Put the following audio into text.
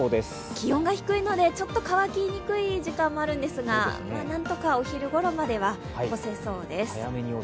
気温が低いので乾きにくい時間もあるんですが、なんとかお昼ごろまでは、干せそうです。